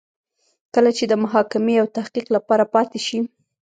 کله چې د محاکمې او تحقیق لپاره پاتې شي.